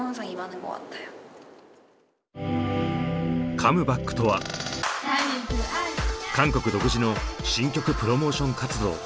「カムバック」とは韓国独自の新曲プロモーション活動。